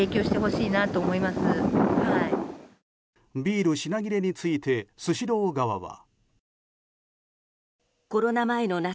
ビール品切れについてスシロー側は。